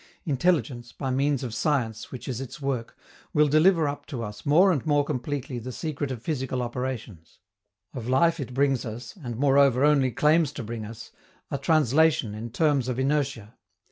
Intelligence, by means of science, which is its work, will deliver up to us more and more completely the secret of physical operations; of life it brings us, and moreover only claims to bring us, a translation in terms of inertia.